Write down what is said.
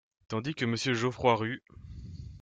Tandis que Monsieur Geoffroy Ru…